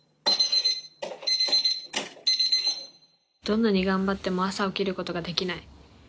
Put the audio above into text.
どんなに頑張っても朝起きることができない。